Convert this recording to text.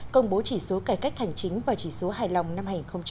công bố chỉ số cải cách hành chính và chỉ số hài lòng năm hai nghìn một mươi chín